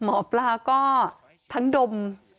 หมอปลาก็ทั้งดม